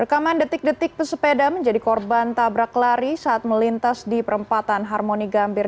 rekaman detik detik pesepeda menjadi korban tabrak lari saat melintas di perempatan harmoni gambir